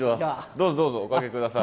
どうぞどうぞお掛け下さい。